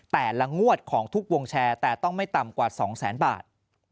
แต่ละงวดของทุกวงแชร์แต่ต้องไม่ต่ำกว่า๒แสนบาท